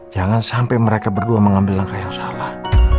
jangan sampai mereka berdua mengambil langkah yang salah